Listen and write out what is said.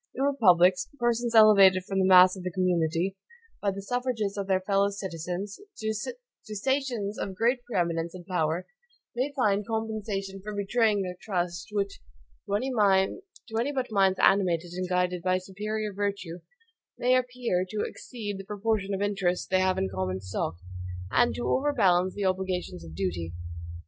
In republics, persons elevated from the mass of the community, by the suffrages of their fellow citizens, to stations of great pre eminence and power, may find compensations for betraying their trust, which, to any but minds animated and guided by superior virtue, may appear to exceed the proportion of interest they have in the common stock, and to overbalance the obligations of duty.